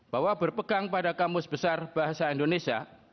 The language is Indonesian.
bahwa berpegang pada kamus besar bahasa indonesia